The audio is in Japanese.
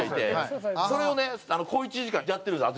それをね小一時間やってるんです